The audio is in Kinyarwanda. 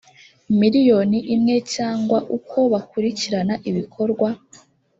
miliyoni imwe cyangwa uko bakurikirana ibikorwa